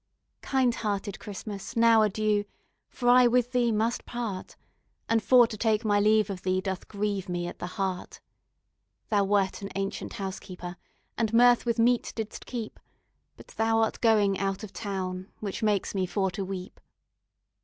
Kind hearted Christmas, now adieu, For I with thee must part, And for to take my leave of thee Doth grieve me at the heart; Thou wert an ancient housekeeper, And mirth with meat didst keep, But thou art going out of town, Which makes me for to weep.